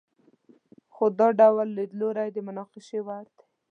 خو دا ډول لیدلوری د مناقشې وړ دی.